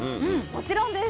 もちろんです。